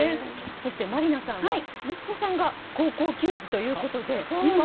そして満里奈さんは、息子さんが高校球児ということで。